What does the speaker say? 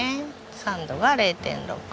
酸度が０．６。